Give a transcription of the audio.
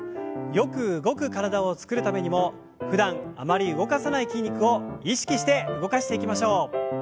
よく動く体を作るためにもふだんあまり動かさない筋肉を意識して動かしていきましょう。